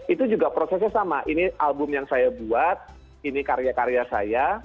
itu juga prosesnya sama ini album yang saya buat ini karya karya saya